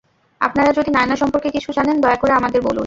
আপনারা যদি নায়না সম্পর্কে কিছু জানেন, -দয়া করে আমাদের বলুন।